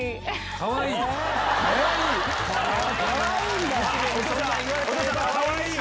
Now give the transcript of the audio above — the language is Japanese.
かわいいんだよ！